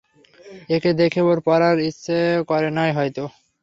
একে দেখে ওর পরার ইচ্ছা করে নাই হয়ত।